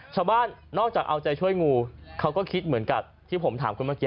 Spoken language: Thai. ชาวบ้านนอกจากเอาใจช่วยงูเขาก็คิดเหมือนกับที่ผมถามคุณเมื่อกี้